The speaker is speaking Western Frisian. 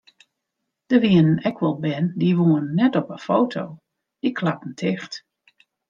Der wienen ek wol bern dy woenen net op de foto, dy klapten ticht.